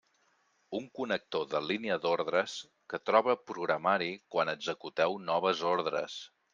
Un connector de línia d'ordres que troba programari quan executeu noves ordres.